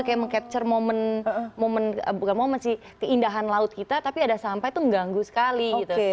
kayak meng capture keindahan laut kita tapi ada sampah itu mengganggu sekali